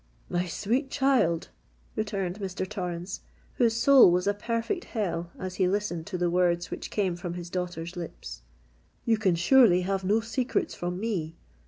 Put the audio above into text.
"My sweet child," returned Mr. Torrens, whose soul was a perfect hell as he listened to the words which came from his daughter's lips,—"you can surely have no secrets from me?